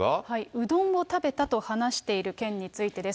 うどんを食べたと話している件についてです。